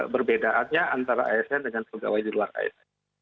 perbedaannya antara asn dengan pegawai di luar asn